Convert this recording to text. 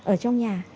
ở trong nhà